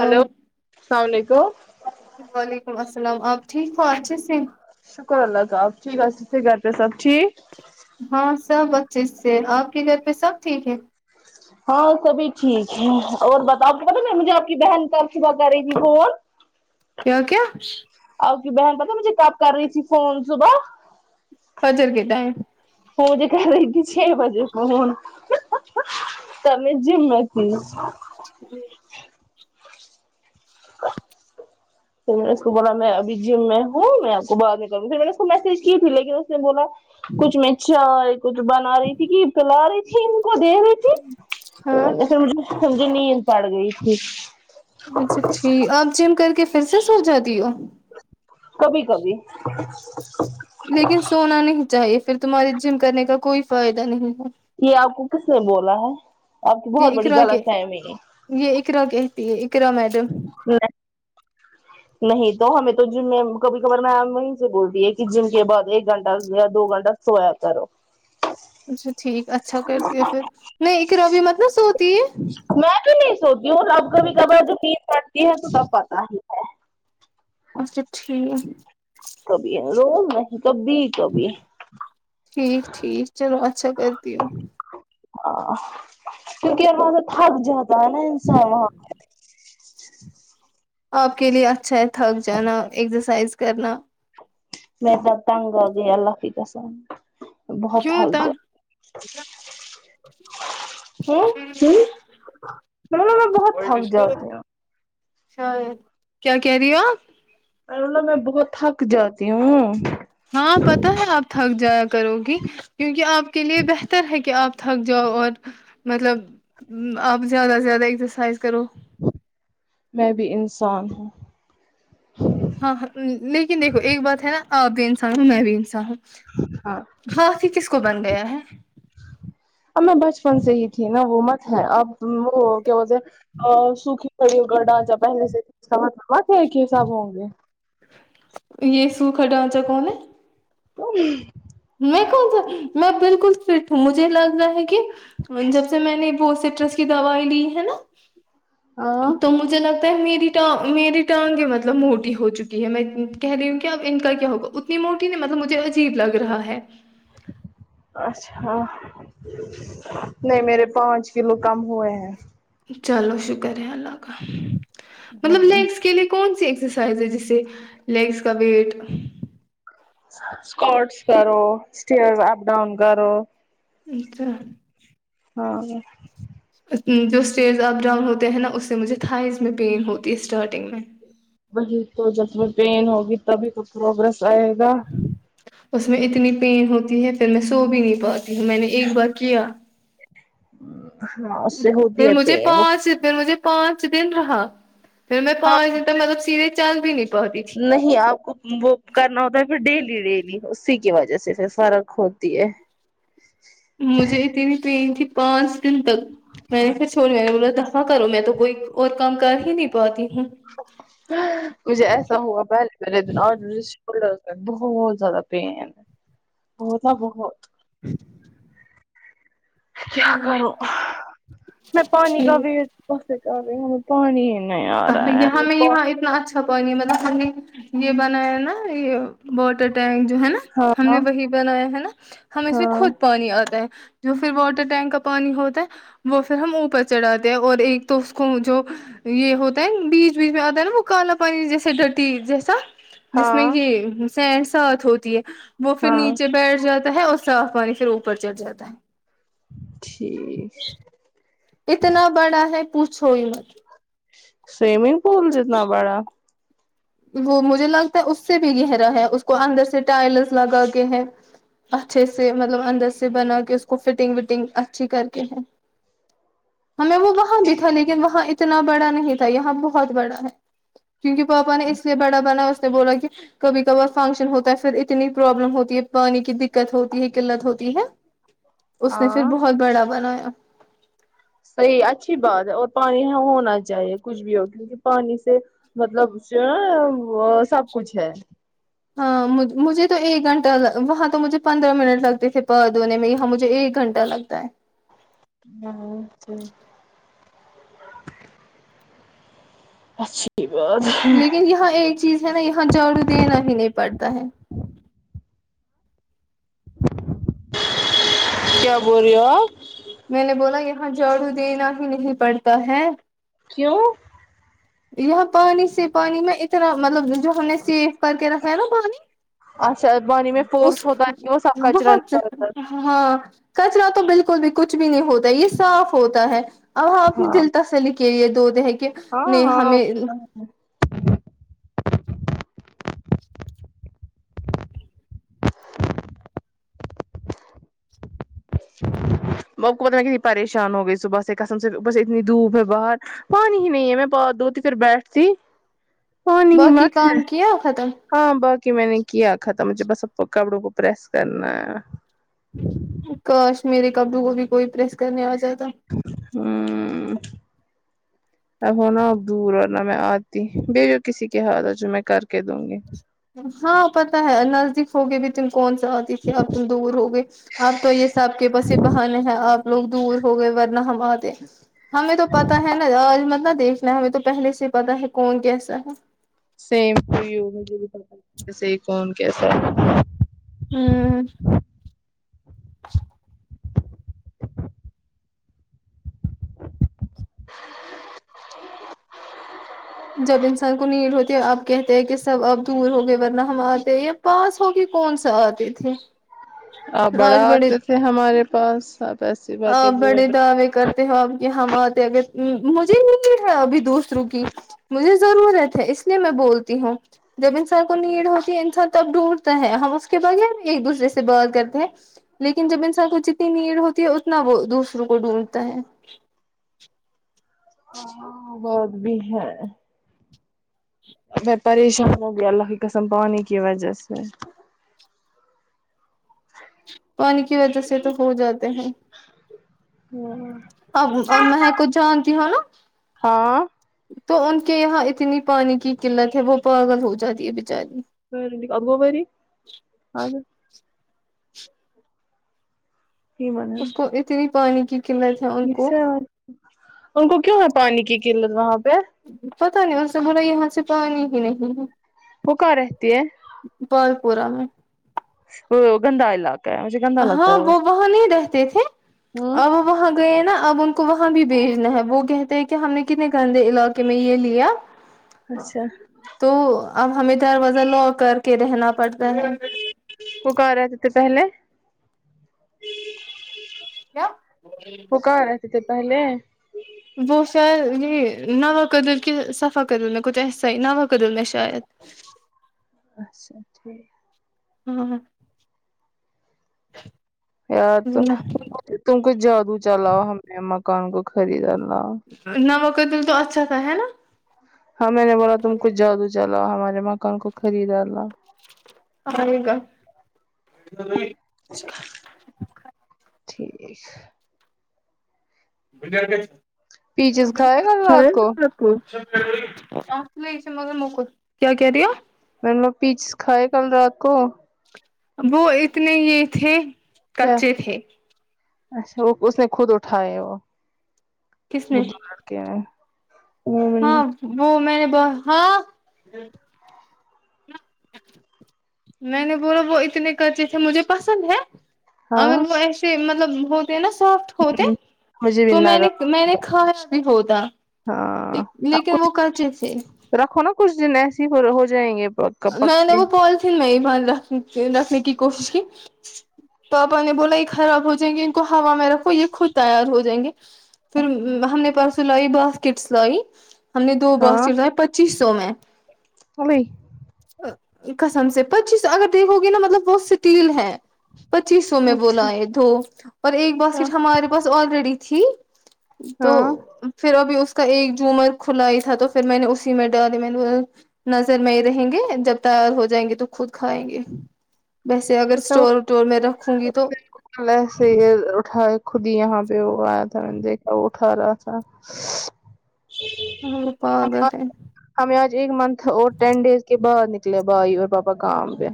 hello اسلام علیکم وعلیکم السلام آپ ٹھیک ہو اچھے سے شکر اللہ کا آپ ٹھیک آپکے گھر پہ سب ٹھیک ہاں سب اچھے سے آپ کے گھر پہ سب ٹھیک ہے ہاں سبھی ٹھیک ہے اور بتاؤپ کو پتا ن مجھے آپ کی بہن کل صبح کر رہی تھی فون [unintelligible] کیا کیا آپکی بہن پتا مجھے کپ کر رہی تھی فون صبح فجر کے ٹائم مجھے کر رہی تھی چھ بجے فون تب میں جیم مے تھی [unintelligible] پھر میں نے اس کو بولا میں ابھی جیم میں ہوں میں آپکو بعد میں کرونگی پھر میں نے اس کو میسج کی تھی لیکن اس نے بولا کچھ میں چائے کچھ بنا رہی تھی گ کلا رہی تھی ان کو دے رہی تھی ہاں ج مجھے نیند پڑ گئی تھی اچھا ٹھیک آپ جم کر کے پھر سے سو جاتی ہو کبھی کبھی لیکن سونا نہیں چاہیے پھر تمہارے جم کرنے کا کوئی فائدہ نہیں ہے یہ آپ کو کس نے بولا ہے آپ کی بہت یہ بڑی اقرا کے غلط فہمی ہے یہ اقرا کہتی ہے اقرا میڈم نہیں نہیں تو ہمیں تو جم میں کبھی کبار میم وہیں سے بولتی ہے کہ جم کے بعد ایک گھنٹہ یا دو گھنٹہ سویا کرو اچھا ٹھیک اچھا کرتی ہے پھر نہیں اقرا بھی مطلب سوتی ہے میں بھی نہیں سوتی ہوں اب کبھی کبار جب نیند پتی ہے تو سب پتا ہی ہے اچھا ٹھیک کبھی روز نہیں کبھی کبھی ٹھیک ٹھیک چلو اچھا کرتی ہوں کیونکہ ار وہاں سے تھک جاتا ہے نا انسان وہاں آپ کے لیے اچھا ہے تھک جانا ایکسرسائز کرنا میں تو تنگ ہوگئی اللہ کی قسم بہت تھک جاتی [unintelligible] م ہم میں بہت تھک جؤ اچھا کیا کہہ رہی ہو آپ میں بہت تھک جاتی ہوں ہاں پتہ ہے آپ تھک جایا کرو گی کیونکہ آپ کے لیے بہتر ہے کہ آپ تھک جاؤ اور مطلب آپ زیادہ سے زیادہ ایکسرسائز کرو میں بھی انسان ہوں ہاں ہاں لیکن دیکھو ایک بات ہے نا آپ بھی انسان ہ میں بھی انسان ہوں ہاں [unintelligible] ہاں ہی کس کو بن گیا ہے اب میں بچپن سے ہی تھی نا وہ مت ہے اب وہ کیا بولتے سوکھی پڑی ہو گ ڈانچہ پہلے سے ت اس کا مطلب آ ہے کہ یہ سب ہوں گے یہ سو کھا ڈھانچہ کون ہے میں کون سا میں بالکل فٹ ہوں مجھے لگ رہا ہے کہ جب سے میں نے وہ سٹرس کی دوائی لی ہے نا ہاں تو مجھ مجھے لگتا ہے میری میری ٹانگ مطلب موٹی ہو چکی ہے میں کہہ رہی ہوں کہ اب ان کا کیا ہوگا اتنی موٹی نہیں مطلب مجھے عجیب لگ رہا ہے اچھا نہیں میرے پانچ کلو کم ہوئے ہیں چلو شکر ہے اللہ کا مطلب لیگس کے لیے کون سی ایکسرسائز ہے جسے لیگس کا ویٹ اسکٹس کرو اسٹیرز اپ ڈاؤن کرو ٹھیک ہے ہاں جی جو اسٹیز اپ ڈاؤن ہوتے ہیں نا اس سے مجھے تھائز میں پین ہوتی ہے اسٹارٹنگ میں وہی تو جس میں پین ہوگی تبھی تو پروگریس آئے گا اس میں اتنی پین ہوتی ہے پھر میں سو بھی نہیں پاتی ہ میں نے ایک بار کیا ہاں اس سے ہوتی پھر ہے مجھے پین پانچ پھر مجھے پانچ دن رہا پھر میں ہاں پانچ دن تک مطلب سیدھے چل بھی نہیں پاتی تھی نہیں آپ کو وہ کرنا ہوتا ہے پھر ڈیلی ڈیلی اسی کی وجہ سے پھر فرق ہوتی ہے مجھے اتنی پینین تھی پانچ دن تک میں نے پھر چھوڑ میں نے بولا تھا ہاں کرو میں تو کوئی اور کام کر ہی نہیں پاتی ہوں مجھے ایسا ہوا پہلے پہلے دن اور شولڈرز پر بہت زیادہ پین بہت بہت کیا کرو ہاں مے پانی کا ویٹ کررہی ہو پانی ہے نہیں آ رہا یہاں میں یہاں [unintelligible] اچھا پانی مطلب ہم نے یہ بنایا نا یہ واٹر ٹینک جو ہے نا ہم ہاں نے وہی بنایا ہے نا ہم اس میں ہاں خود پانی آتا ہے جو پھر واٹر ٹینک کا پانی ہوتا ہے وہ پھر ہم اوپر چڑھاتے ہیں اور ایک تو اس کو جو یہ ہوتا بیچ بیچ میں آتا ہے نا وہ کالا پانی جیسے ڈٹی جیسا جس میں ہاں یہ سینڈ سات ہوتی ہے وہ پھر ہاں نیچے بیٹھ جاتا ہے اور صاف پانی پھر اوپر چڑھ جاتا ہے ٹھیک اتنا بڑا ہے پوچھو ہی مت سوئمنگ پول جتنا بڑا وہ مجھے لگتا ہے اس سے بھی گہرا ہے اس کو اندر سے ٹائلس لگا کے ہے اچھے سے مطلب اندر سے بنا کے اس کو فٹنگ وٹنگ اچھی کر کے ہیں ہمیں وہ وہاں بھی تھا لیکن وہاں اتنا بڑا نہیں تھا یہاں بہت بڑا ہے کیونکہ پاپا نے اس لیے بڑا بنا اس نے بولا کہ کبھی کبھار فنکشن ہوتا ہے پھر اتنی پروابلم ہوتی ہے پانی کی دقت ہوتی ہے قلت ہوتی ہے اس نے پھر ہاں بہت بڑا بنایا صحیح اچھی بات ہے اور پانی یہاں ہونا چاہیے کچھ بھی ہو کیونکہ پانی سے مطلب سب وہ سب کچھ ہے ہاں مجھے تو ایک گھنٹہ وہاں تو مجھے پندرہ منٹ لگتے تھے بال دھونے میں یہاں مجھے ایک گھنٹہ ڈر لگتا ہے [unintelligible] اچھی بات لیکن یہاں ایک چیز ہے نا یہاں جڑو دینا ہی نہیں پڑتا ہے کیا بول رہے ہو آپ میں نے بولا یہاں جھاڑو دینا ہی نہیں پڑتا ہے کیوں یہ پانی سے پانی میں اتنا مطلب جو ہم نے سیف کر کے رکھا ہے نا پانی اچھا بانی میں فورس اس ہوتا ہے کہ وہ سب کچرا بہت نکالتا ہے ہاں کچرا تو بالکل بھی کچھ بھی نہیں ہوتا یہ صاف ہوتا ہے اب ہم اپنی ہاں دل تسلی کے لیے دو د ہے کہ ہاں میں ہاں ہمیں وہ کوت میں ہے پریشان ہو گئی صبح سے قسم سے بس اتنی دھوپ ہے باہر پانی ہی نہیں ہے میں پاؤں دو تھی پھر بیٹھتی پانی ہی بقی مت کام کی ہو ختم ہاں باقی میں نے کیا ختم مجھے بس کپڑوں کو پریس کرنا ہے کش میرے کپڑوں کو بھی کوئی پریس کرنے آ جاتا ہاں اب ہونا اب دور اور نا میں آتی بھجوا جو کسی کے ہاتھ ہے جو میں کر کے دوں گی ہاں پتا ہے نزدیک ہوگے بھی تم کون سا آتی تھی اپ تم دور ہو گئے آپ تو یہ سب آپ کے پاس یہ بہان ہے آپ لوگ دور ہو گئے ورنہ ہم اتے ہمیں تو پتا ہے نا آج مطلب دیکھ میں ہمیں تو پہلے سے ہی پتاہ ہے کون کیسا ہے سیم تو یو مجھے بھی پتا ہے کون کیسا ہے ہوں جب انسان کو نیڈ ہوتی ہے آپ کہتے ہیں کہ سب آپ دور ہو گئے ورنہ ہم آتے پاس ہو کے کون سا آتے تھی آپ بڑا آتے تھے ہمارے پاس آپ ایسے بات آپ بول بڑے دعوے کرتے ہو اب کہ ہم آتے مجھے نہیں ہے ابھی دوسروں کی مجھے ضرورت ہے اس لیے میں بولتی ہوں جب انسان کو نیڈ ہوتی ہے انسان تب ڈھونڈتا ہے ہم اس کے بغیر ایک دوسرے سے بات کرتے ہیں لیکن جب انسان کو جتنی نیڈ ہوتی ہے اتنا وہ دوسروں کو ڈھونڈتا ہے بہت بھی ہے میں پریشان ہو گیا اللہ کے قسم پانی کی وجہ سے پانی کی وجہ سے تو ہو جاتے ہیں ہمم اب مہک کو جانتی ہے نا ہاں تو ان کے یہاں اتنی پانی کی قلت ہے وہ پاگل ہو جاتی ہے بچاری ابگوبروی اس کو اتنی پانی کی قلت ہے ان کو ان کو کیوں ہے پانی کی قلت وہاں پہ پتا نہیں ان سے ہمارا یہاں سے پانی ہی نہیں ہے وہ کہا رہتی ہے بل پورہ میں وہ گندا علاقہ ہے مج ہاں وہ وہاں نہیں رہتے تھے ہوں اور وہاں گئے ہیں نا اب ان کو وہاں بھی بھیجنا ہے وہ کہتے ہیں کہ ہم نے کتنے گندے علاقے کہ میں یہ لیا اچھا تو اب ہمیں دروازہ لو کر کے رہنا پڑتا ہے وہ کہہ رہتے تھے پہلے وہ کہاں رہتے تھے پہلے وہ شاید یہ نوا کدل کے صفح کدل میں کچھ ایسائی نوا کدل میں شاید شاید اچھاٹھیک ہاں ہاں یار تو تم کو جادو چلاؤ ہمیں مکان کو خریدا نمک تل تو اچھاتھا ہے نا ہاں میں نے بولا تم کچھ جادو چلاؤ ہمارے مکان کو خریدا لا آئےگا ٹھیک پیچز کھائے گا رات کو کیا کہہ ریہ میم وہ پیچ کھائے کل رات کو وہ اتنے یہ تھے کیا کچے تھے اچھا وہ اس نے خود اٹھائے وہ کس میں وہ دو لڑکے نے ہاں وہ میں نے ہاں میں نے بولا وہ اتنے کچے تھے مجھے پسند ہے ہاں اگر وہ ہوں ایسے مطلب ہوتے ہیں نا صاف ہوتے مجھے بھی تو نہ میں نے میں نے کھایا بھی ہوتا رہا ہاں آپ لیکن کچھ وہ کچے تھے رکھو نا کچھ دن ایسی ہی ہو جائیں گے پک میں نے پکے وہ پالیتھین میں ہی رکھنے کی کوشش کی پاپا نے بولا یہ خراب ہو جائیں گے ان کو ہوا میں رکھو یہ خود تیار ہو جائیں گے پھر ہم نے پرسوں نئی لائی باسکٹس لائی ہم نے دو باسکٹس لائے پچیس سو میں کول [unintelligible] قسم سے پچیس اگر دیکھو گے نا مطلب وہ اسٹیل ہے پچیس سو میں وہ اچھا لاے دو اور ایک ہاں باسکٹ ہمارے پاس آلریڈی تھی تو ہاں پھر ابھی اس کا ایک جومر کھلا ہی تھا تو پھر میں نے اسی میں ڈالی میں نے وہ نظر میں رہیں گے جب تیار ہو جائیں گے تو خود کھائیں گے ویسے اگر اس نے وہ اسٹور وٹور میں رکھوں گی تو ل سے یہ اٹھایا [unintelligible] خود ہی یہاں پہ وہ آیا تھا میں نے دیکھا وہ کھا رہا تھا پاگل آ ہے [inaudible] ہمیں آج ایک منتھ اور ٹین ڈیز کے بعد نکلے بھائی اور پاپا کام پہ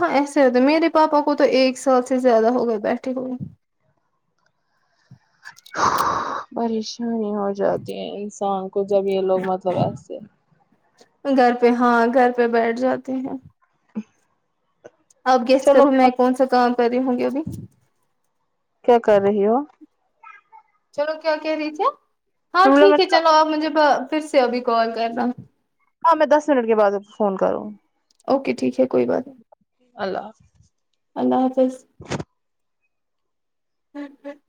ہاں ایسے ہوتے میرے پاپا کو تو ایک سال سے زیادہ ہو گئے بیٹھے ہوئے پریشانی ہو جاتی ہے انسان کو جب یہ لوگ مطلب ایسے گھر پہ ہاں گھر پہ بیٹھ جاتے ہیں [unintelligible] اب گیس چلو کروں میں کون سا کام کر رہی ہوں گی ابھی کیا کر رہی ہو چلو کیا کہہ رہی تھی ہاں میں بولا میں ٹھیک ہے چلو اب مجھے پھر سے ابھی کال کرنا ہاں میں دس منٹ کے بعد فون کروں اوکے ٹھیک ہے کوئی بات نہیں اللہ حافظ اللہ حافظ [unintelligible]